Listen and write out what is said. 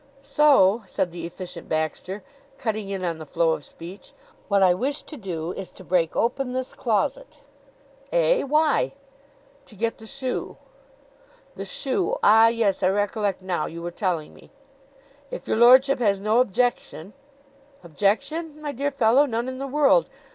"So," said the Efficient Baxter, cutting in on the flow of speech, "what I wish to do is to break open this closet." "Eh? Why?" "To get the shoe." "The shoe? ... Ah, yes, I recollect now. You were telling me." "If your lordship has no objection." "Objection, my dear fellow? None in the world.